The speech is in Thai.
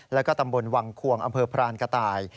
แล้วก็ตำบลวังควงอำเภอพรานกระต่าย